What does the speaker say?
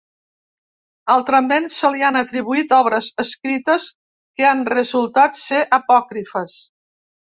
Altrament, se li han atribuït obres escrites que han resultat ser apòcrifes.